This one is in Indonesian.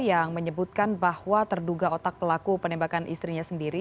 yang menyebutkan bahwa terduga otak pelaku penembakan istrinya sendiri